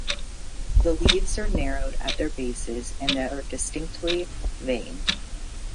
The leaves are narrowed at their bases and are indistinctly veined.